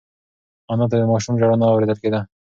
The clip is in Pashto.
انا ته د ماشوم ژړا نه اورېدل کېده.